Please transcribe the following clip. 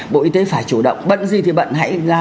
bộ y tế phải chủ động bận gì thì bận hãy ra